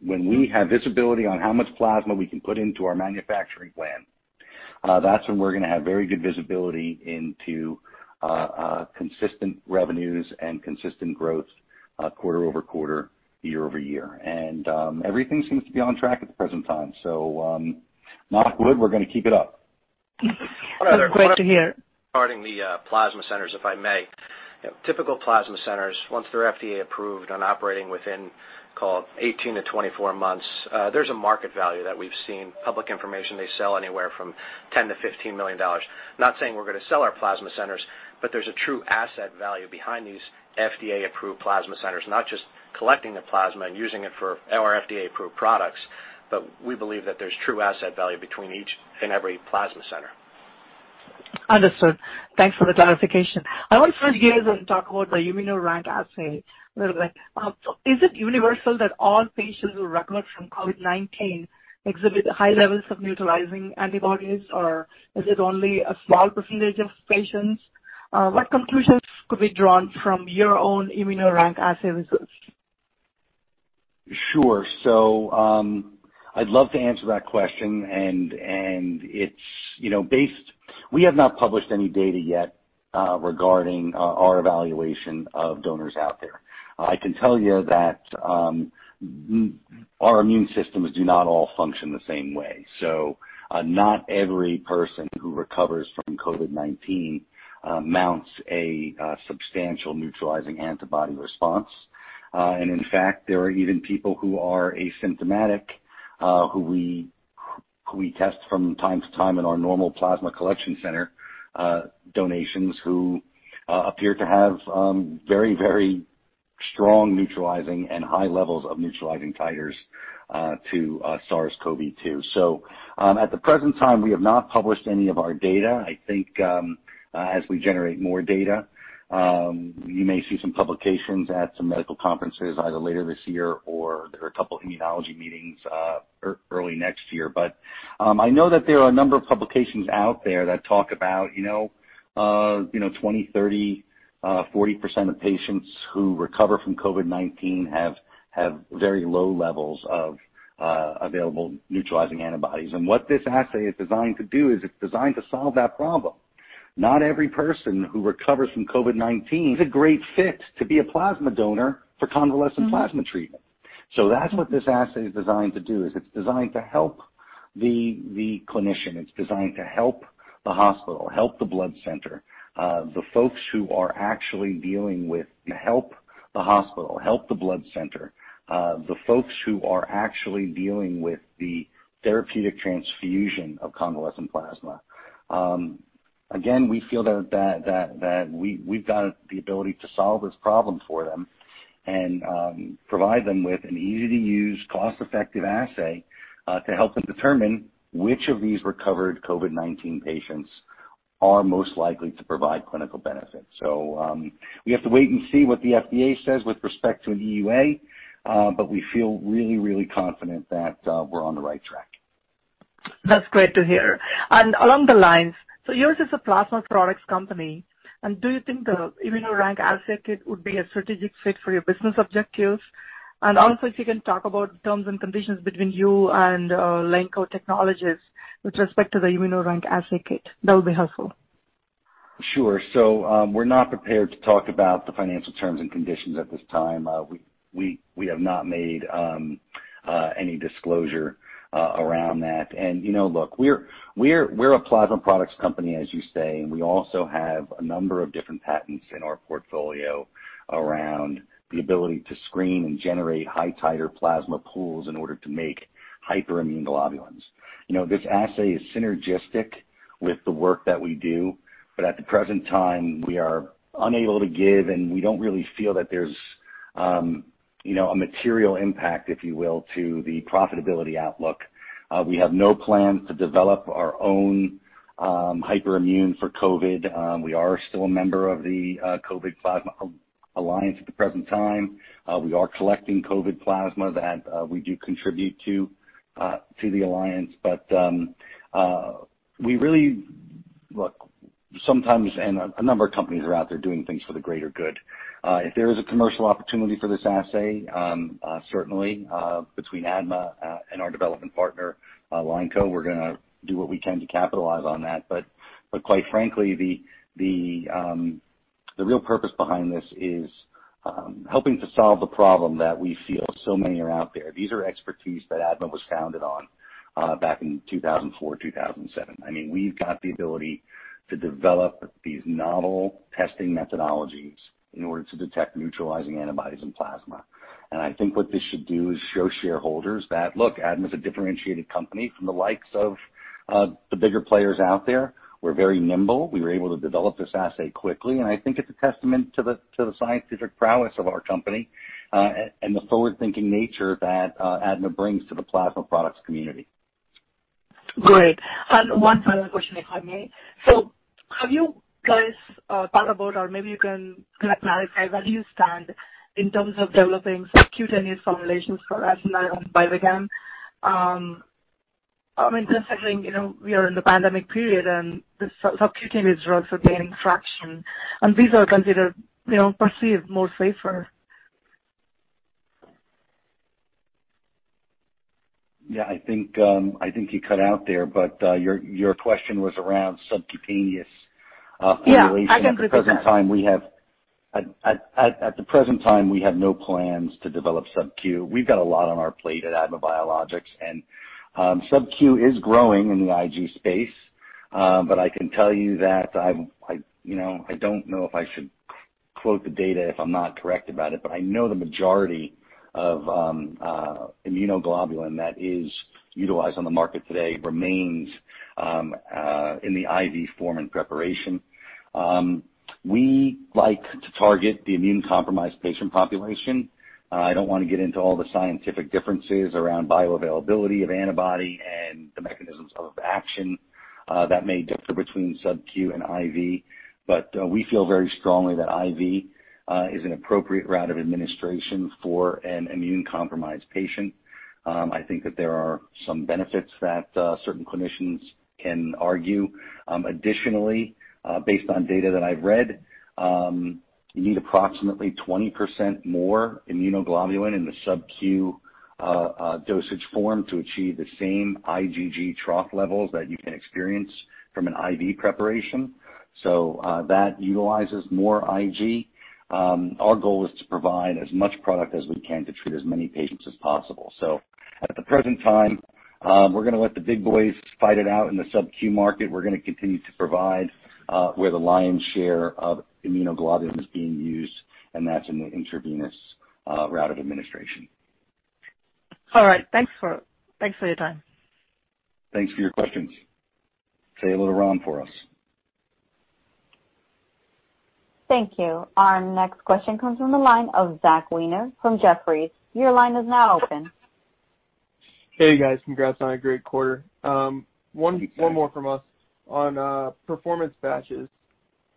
When we have visibility on how much plasma we can put into our manufacturing plant, that's when we're going to have very good visibility into consistent revenues and consistent growth quarter-over-quarter, year-over-year. Everything seems to be on track at the present time. Knock wood, we're going to keep it up. Great to hear. Regarding the plasma centers, if I may. Typical plasma centers, once they're FDA approved and operating within, call it 18-24 months, there's a market value that we've seen. Public information, they sell anywhere from $10 million-$15 million. Not saying we're going to sell our plasma centers, but there's a true asset value behind these FDA-approved plasma centers, not just collecting the plasma and using it for our FDA-approved products. But we believe that there's true asset value between each and every plasma center. Understood. Thanks for the clarification. I want to switch gears and talk about the ImmunoRank assay a little bit. Is it universal that all patients who recover from COVID-19 exhibit high levels of neutralizing antibodies, or is it only a small percentage of patients? What conclusions could be drawn from your own ImmunoRank assay results? Sure. I'd love to answer that question. We have not published any data yet regarding our evaluation of donors out there. I can tell you that our immune systems do not all function the same way. Not every person who recovers from COVID-19 mounts a substantial neutralizing antibody response. In fact, there are even people who are asymptomatic who we test from time to time in our normal plasma collection center donations who appear to have very, very strong neutralizing and high levels of neutralizing titers to SARS-CoV-2. At the present time, we have not published any of our data. I think as we generate more data, you may see some publications at some medical conferences either later this year or there are a couple immunology meetings early next year. I know that there are a number of publications out there that talk about 20%, 30%, 40% of patients who recover from COVID-19 have very low levels of available neutralizing antibodies. What this assay is designed to do is it's designed to solve that problem. Not every person who recovers from COVID-19 is a great fit to be a plasma donor for convalescent plasma treatment. That's what this assay is designed to do, is it's designed to help the clinician. It's designed to help the hospital, help the blood center, the folks who are actually dealing with the therapeutic transfusion of convalescent plasma. We feel that we've got the ability to solve this problem for them and provide them with an easy-to-use, cost-effective assay to help them determine which of these recovered COVID-19 patients are most likely to provide clinical benefit. We have to wait and see what the FDA says with respect to an EUA, but we feel really confident that we're on the right track. That's great to hear. Along the lines, yours is a plasma products company. Do you think the ImmunoRank assay kit would be a strategic fit for your business objectives? Also, if you can talk about terms and conditions between you and Leinco Technologies with respect to the ImmunoRank assay kit, that would be helpful. Sure. We're not prepared to talk about the financial terms and conditions at this time. We have not made any disclosure around that. Look, we're a plasma products company, as you say, and we also have a number of different patents in our portfolio around the ability to screen and generate high-titer plasma pools in order to make hyperimmune globulins. This assay is synergistic with the work that we do, but at the present time, we are unable to give, and we don't really feel that there's a material impact, if you will, to the profitability outlook. We have no plans to develop our own hyperimmune for COVID. We are still a member of the CoVIg-19 Plasma Alliance at the present time. We are collecting COVID plasma that we do contribute to the alliance. Look, sometimes, and a number of companies are out there doing things for the greater good. If there is a commercial opportunity for this assay, certainly, between ADMA and our development partner, Leinco, we're going to do what we can to capitalize on that. Quite frankly, the real purpose behind this is helping to solve the problem that we feel so many are out there. These are expertise that ADMA was founded on back in 2004, 2007. We've got the ability to develop these novel testing methodologies in order to detect neutralizing antibodies and plasma. I think what this should do is show shareholders that, look, ADMA is a differentiated company from the likes of the bigger players out there. We're very nimble. We were able to develop this assay quickly, and I think it's a testament to the scientific prowess of our company and the forward-thinking nature that ADMA brings to the plasma products community. Great. One final question, if I may. Have you guys thought about, or maybe you can clarify where you stand in terms of developing subcutaneous formulations for BIVIGAM? Just thinking, we are in the pandemic period, and the subcutaneous drugs are gaining traction, and these are considered, perceived more safer. Yeah, I think you cut out there, but your question was around subcutaneous formulation. Yeah, I can repeat that. At the present time, we have no plans to develop subQ. We've got a lot on our plate at ADMA Biologics, and subQ is growing in the IG space. I can tell you that I don't know if I should quote the data if I'm not correct about it, but I know the majority of immunoglobulin that is utilized on the market today remains in the IV form and preparation. We like to target the immune-compromised patient population. I don't want to get into all the scientific differences around bioavailability of antibody and the mechanisms of action that may differ between subQ and IV. We feel very strongly that IV is an appropriate route of administration for an immune-compromised patient. I think that there are some benefits that certain clinicians can argue. Additionally, based on data that I've read, you need approximately 20% more immunoglobulin in the SubQ dosage form to achieve the same IgG trough levels that you can experience from an IV preparation. That utilizes more IG. Our goal is to provide as much product as we can to treat as many patients as possible. At the present time, we're going to let the big boys fight it out in the SubQ market. We're going to continue to provide where the lion's share of immunoglobulin is being used, and that's in the intravenous route of administration. All right. Thanks for your time. Thanks for your questions. Say hello to Ron for us. Thank you. Our next question comes from the line of Zach Weiner from Jefferies. Your line is now open. Hey, guys. Congrats on a great quarter. Thank you. One more from us. On performance batches,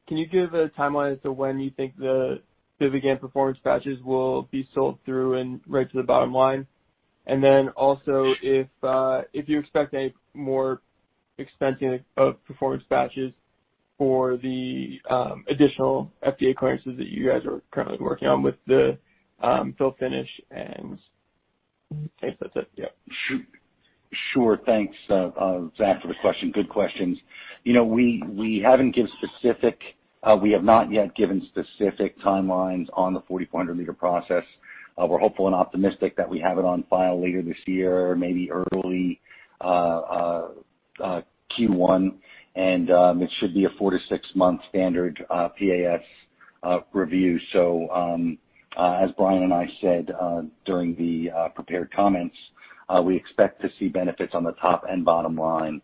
can you give a timeline as to when you think the BIVIGAM performance batches will be sold through and right to the bottom line? Also, if you expect any more expensing of performance batches for the additional FDA clearances that you guys are currently working on with the fill finish and I think that's it, yeah. Thanks, Zach, for the question. Good questions. We have not yet given specific timelines on the 4,400 L process. We're hopeful and optimistic that we have it on file later this year, maybe early Q1, and it should be a four to six-month standard PAS review. As Brian and I said during the prepared comments, we expect to see benefits on the top and bottom line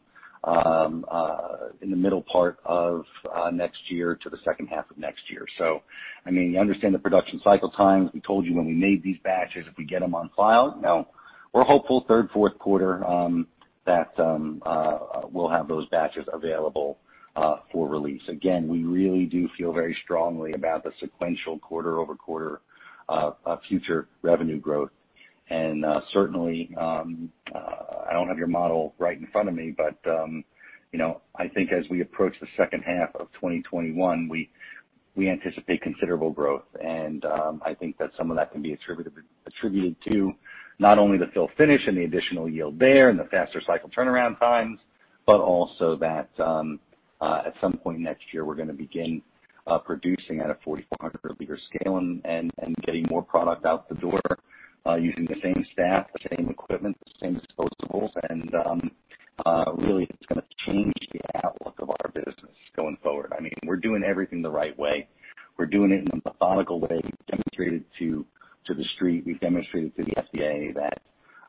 in the middle part of next year to the second half of next year. You understand the production cycle times. We told you when we made these batches, if we get them on file. We're hopeful third, fourth quarter that we'll have those batches available for release. We really do feel very strongly about the sequential quarter-over-quarter future revenue growth. Certainly, I don't have your model right in front of me, but I think as we approach the second half of 2021, we anticipate considerable growth. I think that some of that can be attributed to not only the fill finish and the additional yield there and the faster cycle turnaround times, but also that at some point next year, we're going to begin producing at a 4,400 L scale and getting more product out the door using the same staff, the same equipment, the same disposables, and really, it's going to change the outlook of our business going forward. We're doing everything the right way. We're doing it in a methodical way. We've demonstrated to the street, we've demonstrated to the FDA that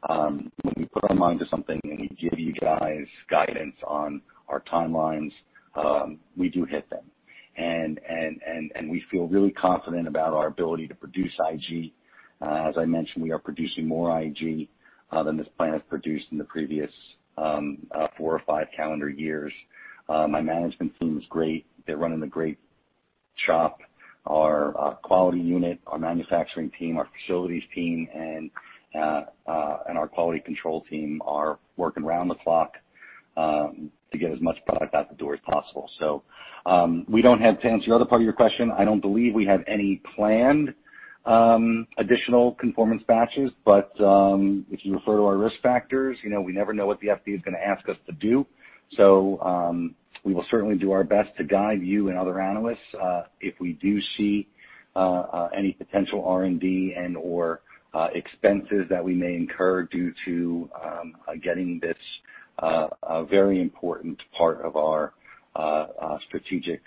when we put our mind to something and we give you guys guidance on our timelines, we do hit them. We feel really confident about our ability to produce IG. As I mentioned, we are producing more IG than this plant has produced in the previous four or five calendar years. My management team is great. They're running a great shop. Our quality unit, our manufacturing team, our facilities team, and our quality control team are working around the clock to get as much product out the door as possible. We don't have to answer the other part of your question. I don't believe we have any planned additional conformance batches, but if you refer to our risk factors, we never know what the FDA is going to ask us to do. We will certainly do our best to guide you and other analysts if we do see any potential R&D and/or expenses that we may incur due to getting this very important part of our strategic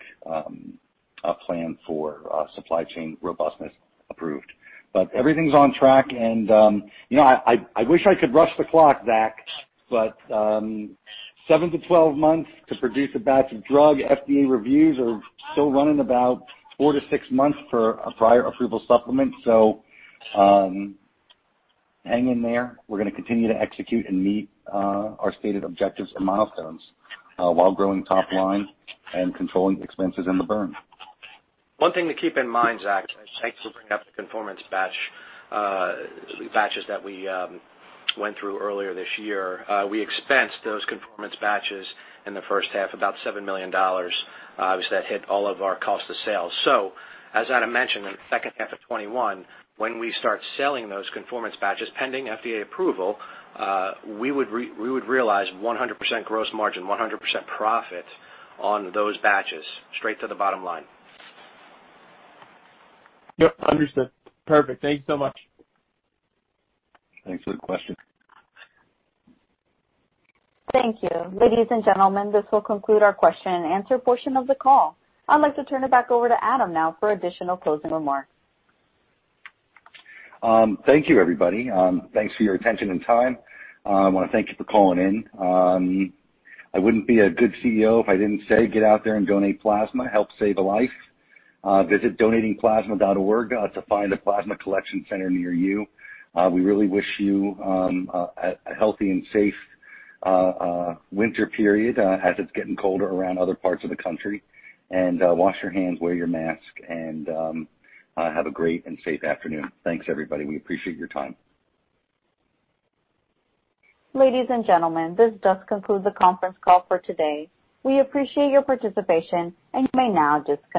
plan for supply chain robustness approved. Everything's on track, and I wish I could rush the clock, Zach, but 7-12 months to produce a batch of drug. FDA reviews are still running about four to six months for a prior approval supplement. Hang in there. We're going to continue to execute and meet our stated objectives and milestones while growing top line and controlling expenses and the burn. One thing to keep in mind, Zach, thanks for bringing up the conformance batches that we went through earlier this year. We expensed those conformance batches in the first half, about $7 million. Obviously, that hit all of our cost of sales. As Adam mentioned, in the second half of 2021, when we start selling those conformance batches, pending FDA approval, we would realize 100% gross margin, 100% profit on those batches straight to the bottom line. Yep, understood. Perfect. Thank you so much. Thanks for the question. Thank you. Ladies and gentlemen, this will conclude our question-and-answer portion of the call. I'd like to turn it back over to Adam now for additional closing remarks. Thank you, everybody. Thanks for your attention and time. I want to thank you for calling in. I wouldn't be a good CEO if I didn't say get out there and donate plasma, help save a life. Visit donatingplasma.org to find a plasma collection center near you. We really wish you a healthy and safe winter period as it's getting colder around other parts of the country. Wash your hands, wear your mask, and have a great and safe afternoon. Thanks, everybody. We appreciate your time. Ladies and gentlemen, this does conclude the conference call for today. We appreciate your participation, and you may now disconnect.